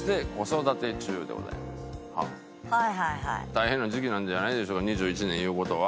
大変な時期なんじゃないでしょうか２１年いう事は。